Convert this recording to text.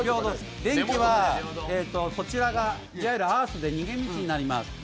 電気はそちらがいわゆるアースで逃げ道になります。